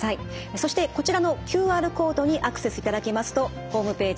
そしてこちらのＱＲコードにアクセスいただきますとホームページ